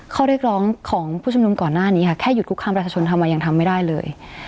ข้อเรียกร้องของผู้ชุมนุมก่อนหน้านี้ค่ะแค่หยุดคุกคามประชาชนทำมายังทำไม่ได้เลย